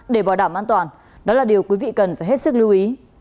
để bảo đảm an toàn đó là điều quý vị cần phải hết sức lưu ý